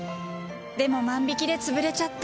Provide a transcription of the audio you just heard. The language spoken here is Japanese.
でも万引きで潰れちゃって。